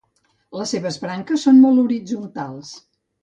Les seves branques són molt horitzontals.